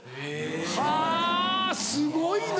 はぁすごいな。